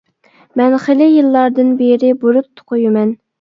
مەن خېلى يىللاردىن بېرى بۇرۇت قويىمەن.